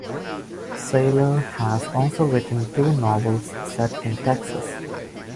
Saylor has also written two novels set in Texas.